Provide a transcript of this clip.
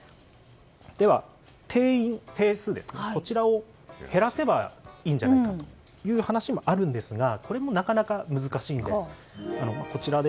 では、定数こちらを減らせばいいんじゃないかという話もあるんですがこれもなかなか難しいんです。